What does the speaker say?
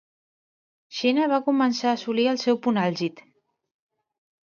Xina va començar a assolir el seu punt àlgid.